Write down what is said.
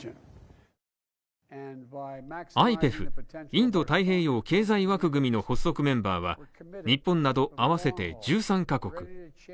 ＩＰＥＦ＝インド太平洋経済枠組みの発足メンバーは日本など、合わせて１３カ国。